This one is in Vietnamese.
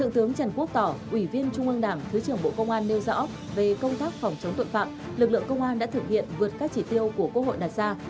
trong trung ương đảng thứ trưởng bộ công an nêu rõ về công tác phòng chống tội phạm lực lượng công an đã thực hiện vượt các chỉ tiêu của quốc hội đặt ra